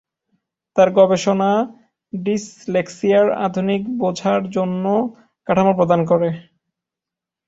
তার গবেষণা ডিসলেক্সিয়ার আধুনিক বোঝার জন্য কাঠামো প্রদান করে।